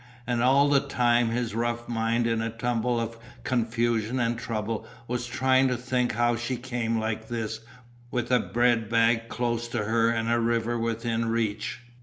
And all the time his rough mind in a tumble of confusion and trouble was trying to think how she came like this, with a bread bag close to her and a river within reach.